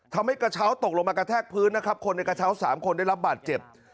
ทำให้กระเช้าตกลงมากระแทกพื้นนะครับคนในกระเช้า๓คนได้รับบาดเจ็บ